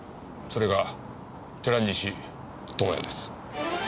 それが寺西智也です。